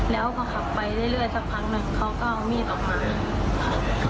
เล่าก็ขับไปได้เรื่อยแต่ครั้งหนึ่งเขาก็เอามีดออกมา